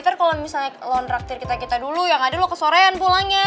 ntar kalo misalnya lo traktir kita kita dulu ya gak ada lo ke soren pulangin